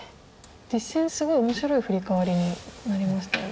実戦すごい面白いフリカワリになりましたよね。